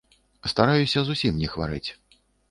Стараюся зусім не хварэць.